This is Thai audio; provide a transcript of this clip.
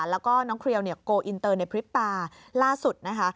แล้วก็น้องเครียวเนี่ยโกลอินเตอร์ในพริบตาล่าสุดนะคะ